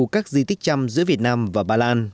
các di tích trăm giữa việt nam và ba lan